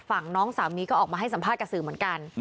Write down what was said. น้องสามีก็ออกมาให้สัมภาษณ์กับสื่อเหมือนกัน